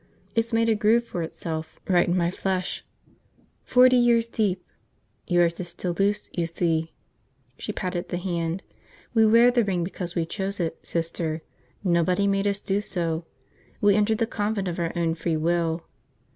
It's made a groove for itself right in my flesh. Forty years deep. Yours is still loose, you see." She patted the hand. "We wear the ring because we chose it, Sister. Nobody made us do so; we entered the convent of our own free will.